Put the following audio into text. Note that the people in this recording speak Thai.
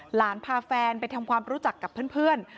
หลานพาแฟนไปทำความรู้จักกับเพื่อน